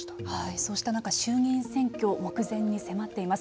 そうした中衆議院選挙が目前に迫っています。